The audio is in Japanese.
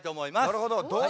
なるほど。